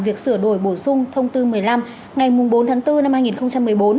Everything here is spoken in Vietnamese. việc sửa đổi bổ sung thông tư một mươi năm ngày bốn tháng bốn năm hai nghìn một mươi bốn